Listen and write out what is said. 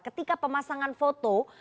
ketika pemasangan foto